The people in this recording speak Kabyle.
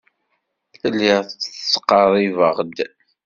Lliɣ ttqerribeɣ-d.